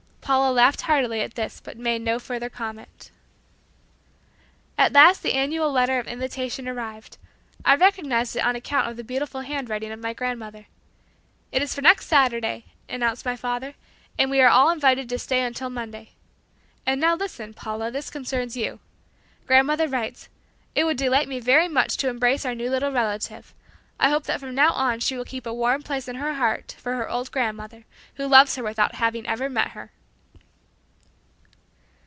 Paula laughed heartily at this but made no further comment. At last the annual letter of invitation arrived. I recognized it on account of the beautiful handwriting of my grandmother. "It is for next Saturday," announced my father, "and we are all invited to stay until Monday. And now listen, Paula, this concerns you. Grandmother writes, 'It would delight me very much to embrace our new little relative. I hope that from now on she will keep a warm place in her heart for her old grandmother who loves her without having ever met her.'"